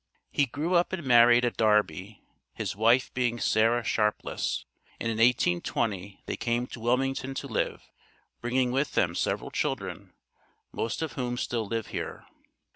He grew up and married at Darby, his wife being Sarah Sharpless, and in 1820 they came to Wilmington to live, bringing with them several children, most of whom still live here.